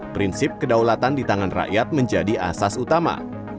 prinsip kedaulatan di tangan rakyat menjadi asas utama